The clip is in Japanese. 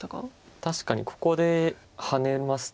確かにここでハネますと。